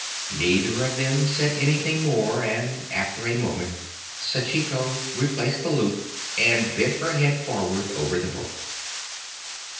Neither of them said anything more, and after a moment Sachiko replaced the loup and bent her head forward over the book.